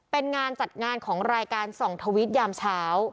เป็นงานจัดงานของรายการส่องทวิตยามเช้า